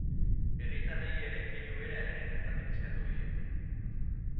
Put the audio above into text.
Herritarrei ere keinu bera egin dezaten eskatu die.